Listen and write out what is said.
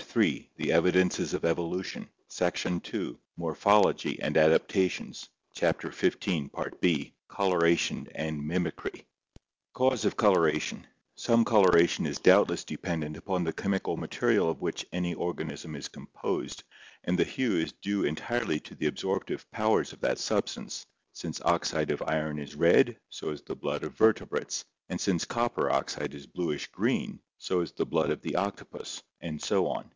That these colors aid in increasing the percentage of survival in each of the several stages is evident. COLORATION AND MIMICRY 239 Cause of Coloration Some coloration is doubtless dependent upon the chemical ma terial of which any organism is composed and the hue is due en tirely to the absorptive powers of that substance; since oxide of iron is red, so is the blood of vertebrates, and since copper oxide is bluish green, so is the blood of the octopus, and so on.